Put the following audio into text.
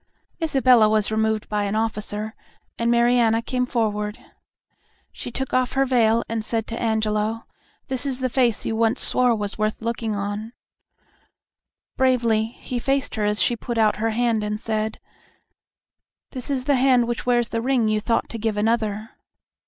Isabella was removed by an officer, and Mariana came forward. She took off her veil, and said to Angelo, "This is the face you once swore was worth looking on." Bravely he faced her as she put out her hand and said, "This is the hand which wears the ring you thought to give another."